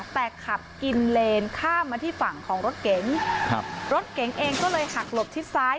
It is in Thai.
แต่ขับกินเลนข้ามมาที่ฝั่งของรถเก๋งครับรถเก๋งเองก็เลยหักหลบทิศซ้าย